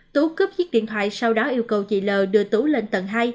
tú cướp chiếc điện thoại sau đó yêu cầu chị l đưa tú lên tầng hai